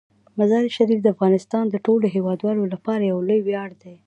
مزارشریف د افغانستان د ټولو هیوادوالو لپاره یو لوی ویاړ دی.